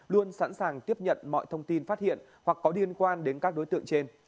luôn sẵn sàng tiếp nhận mọi thông tin phát hiện hoặc có liên quan đến các đối tượng trên